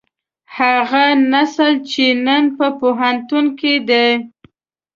هغه نسل چې نن په پوهنتون کې دی.